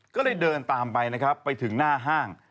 ก็เลยเดินตามไปนะครับไปถึงหน้าห้าง